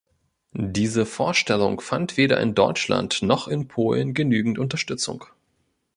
Diese Vorstellung fand weder in Deutschland noch in Polen genügend Unterstützung.